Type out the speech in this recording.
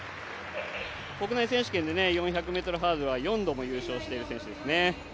国内選手権で４００ｍハードルは４度も優勝している選手ですね。